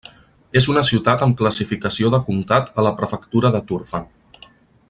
És una ciutat amb classificació de comtat a la prefectura de Turfan.